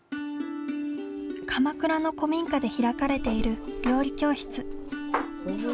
鎌倉の古民家で開かれている料理教室。